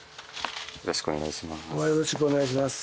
よろしくお願いします。